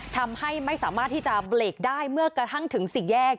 ทำให้ไม่สามารถที่จะเบรกได้เมื่อกระทั่งถึงสี่แยก